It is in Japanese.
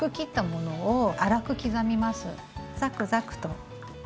ザクザクと粗く。